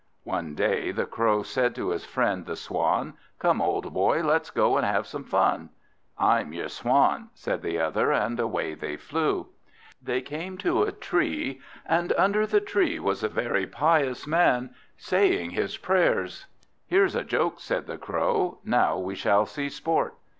One day the Crow said to his friend the Swan, "Come, old boy, let us go and have some fun." "I'm your Swan," says the other, and away they flew. They came to a tree, and under the tree was a very pious man, saying his prayers. "Here's a joke," said the Crow. "Now we shall see sport."